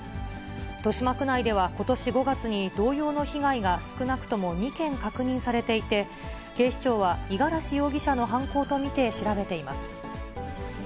豊島区内ではことし５月に、同様の被害が少なくとも２件確認されていて、警視庁は五十嵐容疑者の犯行と見て調べています。